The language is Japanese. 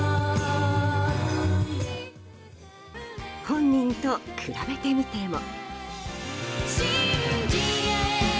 本人と比べてみても。